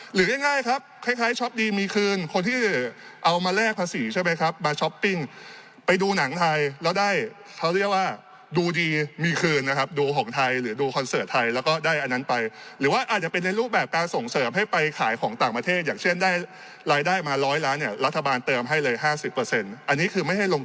หรือง่ายครับคล้ายช็อปดีมีคืนคนที่เอามาแลกภาษีใช่ไหมครับมาช้อปปิ้งไปดูหนังไทยแล้วได้เขาเรียกว่าดูดีมีคืนนะครับดูของไทยหรือดูคอนเสิร์ตไทยแล้วก็ได้อันนั้นไปหรือว่าอาจจะเป็นในรูปแบบการส่งเสริมให้ไปขายของต่างประเทศอย่างเช่นได้รายได้มาร้อยล้านเนี่ยรัฐบาลเติมให้เลย๕๐อันนี้คือไม่ให้ลง